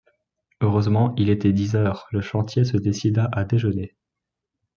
Heureusement, il était dix heures, le chantier se décida à déjeuner.